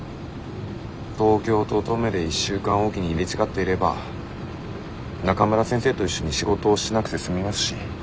東京と登米で１週間置きに入れ違っていれば中村先生と一緒に仕事をしなくて済みますし。